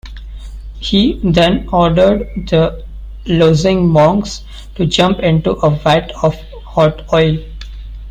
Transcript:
He then ordered the losing monks to jump into a vat of hot oil.